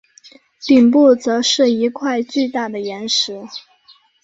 顶部则是一块巨大的岩石。